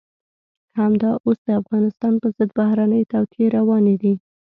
همدا اوس د افغانستان په ضد بهرنۍ توطئې روانې دي.